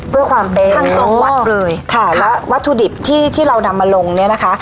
เพื่อความเป็นทางตรงวัดเลยค่ะแล้ววัตถุดิบที่ที่เรานำมาลงเนี่ยนะคะ